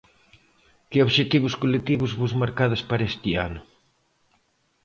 Que obxectivos colectivos vos marcades para este ano?